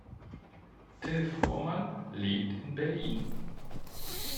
Till Fuhrmann lebt in Berlin.